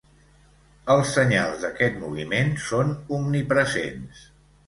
Els senyals d'aquest moviment són omnipresents.